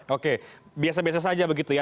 oke biasa biasa saja begitu ya